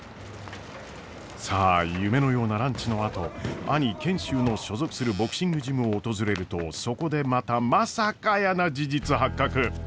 さあ夢のようなランチのあと兄賢秀の所属するボクシングジムを訪れるとそこでまたまさかやーな事実発覚！